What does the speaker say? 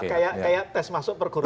kayak tes masuk per kurus tinggi